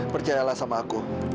percayalah sama aku